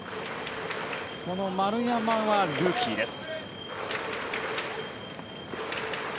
この丸山はルーキーです。